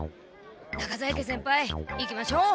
中在家先輩行きましょう。